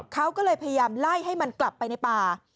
เขาก็เลยพยายามไล่ให้มันกลับไปในป่า